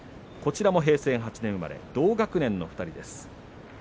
平成８年生まれで同学年の２人です。